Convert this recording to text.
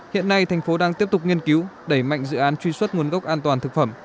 hiện nay thành phố đang tiếp tục nghiên cứu đẩy mạnh dự án truy xuất nguồn gốc an toàn thực phẩm